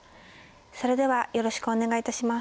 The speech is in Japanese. それではよろしくお願いいたします。